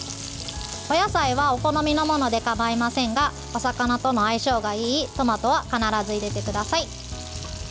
お野菜はお好みのもので構いませんがお魚との相性がいいトマトは必ず入れてください。